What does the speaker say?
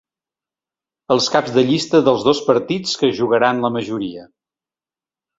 Els caps de llista dels dos partits que es jugaran la majoria.